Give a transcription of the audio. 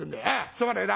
すまねえな。